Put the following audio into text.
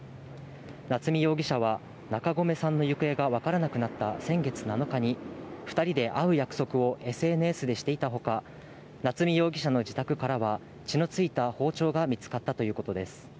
夏見容疑者は、中込さんの行方が分からなくなった先月７日に、２人で会う約束をＳＮＳでしていたほか、夏見容疑者の自宅からは血のついた包丁が見つかったということです。